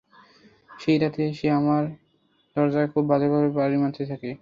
সেইরাতে সে এসে আমার দরজায় খুব বাজেভাবে বাড়ি মারতে থাকে।